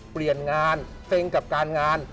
เปลี่ยนงานเซ็งกับการงาน